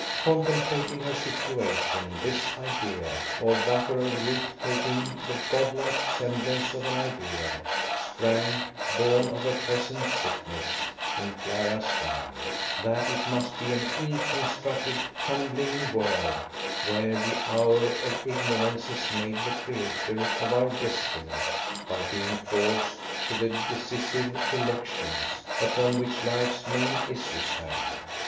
Contemplating her situation, this idea (or vapour of youth taking the god like semblance of an idea) sprang, born of her present sickness, in Clara's mind; that it must be an ill constructed tumbling world where the hour of ignorance is made the creator of our destiny by being forced to the decisive elections upon which life's main issues hang.